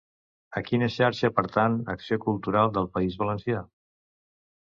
A quina xarxa pertany Acció Cultural del País Valencià?